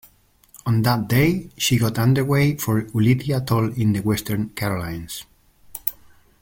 On that day, she got underway for Ulithi Atoll in the Western Carolines.